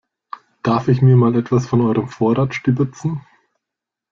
Darf ich mir mal etwas von eurem Vorrat stibitzen?